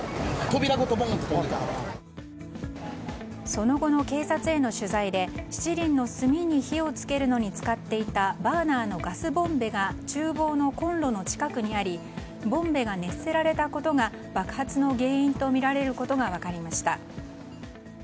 その後の警察への取材で七輪の炭に火を付けるのに使っていたバーナーのガスボンベが厨房のコンロの近くにありボンベが熱せられたことが爆発の原因とみられることが分かりました。